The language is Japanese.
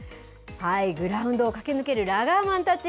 グラウンドを駆け抜けるラガーマンたち。